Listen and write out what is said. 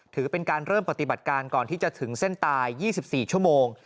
ถือเป็นการเริ่มปฏิบัติการก่อนที่จะถึงเส้นตาย๒๔ชั่วโมง